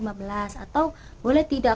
atau boleh tidak